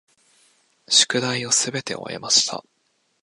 宿題をすべて終えました。